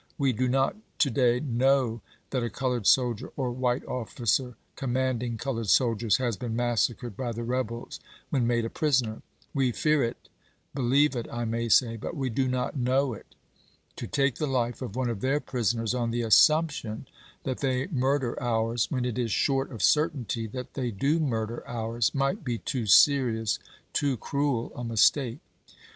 "We do not to day linoiv that a colored sol dier, or white officer commanding colored soldiers, has been massacred by the rebels when made a prisoner. We fear it, believe it, I may say, but we do not hnow it. To take the life of one of their prisoners on the assumption that they murder ours, when it is short of certainty that they do murder ours, might be too serious, too cruel, a mistake.